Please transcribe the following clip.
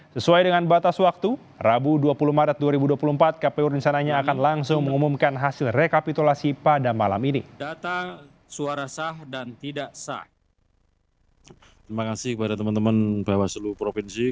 sesuai dengan batas waktu rabu dua puluh maret dua ribu dua puluh empat kpu rencananya akan langsung mengumumkan hasil rekapitulasi pada malam ini